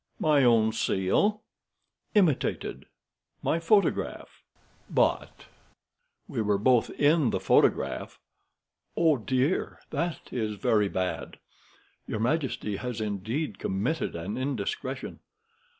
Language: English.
"My own seal." "Imitated." "My photograph." "Bought." "We were both in the photograph." "Oh, dear! That is very bad. Your majesty has indeed committed an indiscretion."